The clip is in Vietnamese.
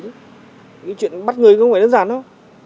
cái chuyện bắt người không phải đơn giản đâu